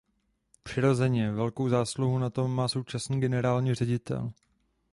Přirozeně, velkou zásluhu na tom má současný generální ředitel.